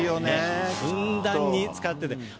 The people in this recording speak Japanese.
ふんだんに使ってて。